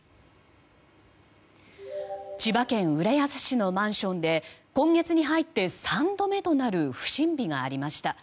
千葉県浦安市のマンションで今月に入って３度目となる不審火がありました。